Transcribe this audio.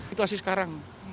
itu asli sekarang